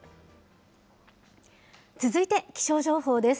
続いて気象情報です。